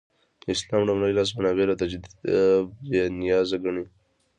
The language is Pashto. د اسلام لومړي لاس منابع له تجدیده بې نیازه ګڼي.